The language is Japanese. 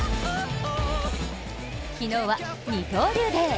昨日は二刀流デー。